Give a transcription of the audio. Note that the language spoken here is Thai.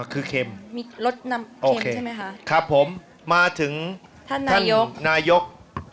คือเค็มโอเคครับผมมาถึงท่านนายก